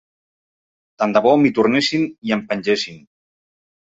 Tant de bo m'hi tornessin i em pengessin.